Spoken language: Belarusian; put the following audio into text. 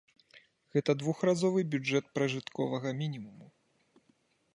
Гэта двухразовы бюджэт пражытковага мінімуму.